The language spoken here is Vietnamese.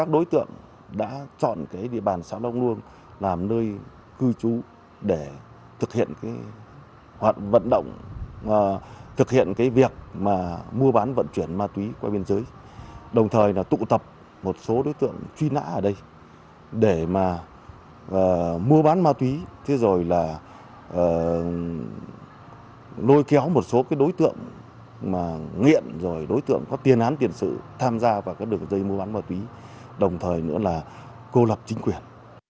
đối tượng nghiện đối tượng có tiền án tiền sự tham gia vào các đường dây mua bán ma túy đồng thời nữa là cô lập chính quyền